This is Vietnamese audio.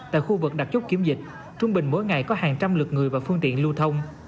tại khu vực đặt chốt kiểm dịch trung bình mỗi ngày có hàng trăm lượt người và phương tiện lưu thông